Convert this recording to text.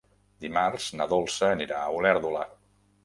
Dimarts na Dolça anirà a Olèrdola.